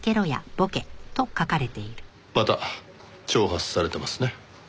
また挑発されてますね。